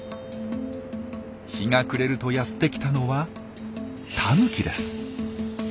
日が暮れるとやってきたのはタヌキです。